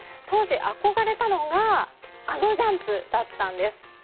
当時、憧れたのがあのジャンプだったんです。